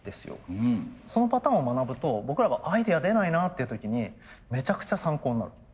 そのパターンを学ぶと僕らがアイデア出ないなっていう時にめちゃくちゃ参考になる。